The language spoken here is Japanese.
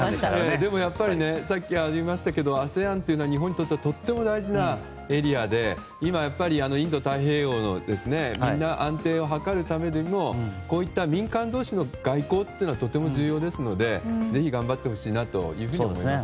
でも、やっぱりさっきありましたがＡＳＥＡＮは日本にとってとても大事なエリアで今、インド太平洋の安定を図るためにもこういった民間同士の外交はとても重要ですのでぜひ頑張ってほしいなと思います。